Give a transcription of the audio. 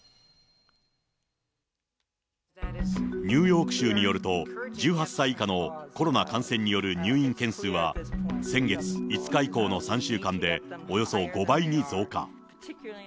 ニューヨーク州によると、１８歳以下のコロナ感染による入院件数は、先月５日以降の３週間で、およそ５倍に増加。